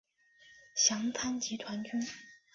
详参集团军。